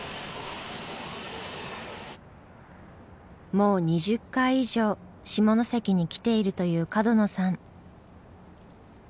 もう２０回以上下関に来ているという角野さん。